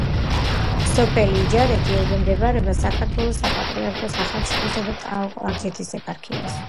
სოფელი იჯარეთი ექვემდებარება საქართველოს საპატრიარქოს ახალციხისა და ტაო-კლარჯეთის ეპარქიას.